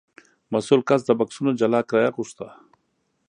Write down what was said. مسوول کس د بکسونو جلا کرایه غوښته.